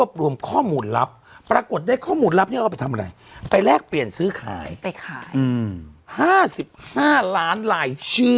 พวกเราปรากฏได้ข้อมูลลับพี่เราไปทำอะไรไปแลกเปลี่ยนซื้อขายไปขาย